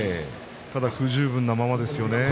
ただ不十分なままですよね。